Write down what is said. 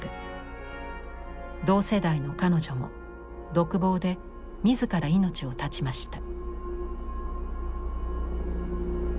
同世代の彼女も独房で自ら命を絶ちました。